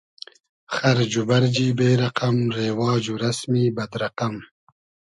خئرج و بئرجی بې رئقئم , رېواج و رئسمی بئد رئقئم